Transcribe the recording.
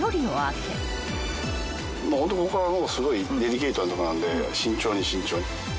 ホントここからもうすごいデリケートなとこなんで慎重に慎重に。